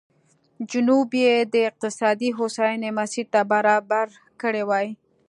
جنوب یې د اقتصادي هوساینې مسیر ته برابر کړی وای.